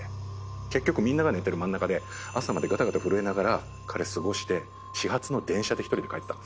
結局みんなが寝てる真ん中で朝までガタガタ震えながら彼過ごして始発の電車で１人で帰ったんです。